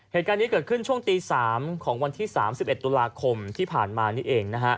เหตุการณ์นี้เกิดขึ้นช่วงตี๓ของวันที่๓๑ตุลาคมที่ผ่านมานี่เองนะฮะ